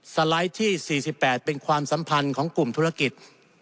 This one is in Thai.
สไลด์ที่๔๘เป็นความสัมพันธ์ของกลุ่มธุรกิจ